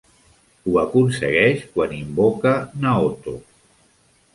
Ho aconsegueix quan invoca Naoto.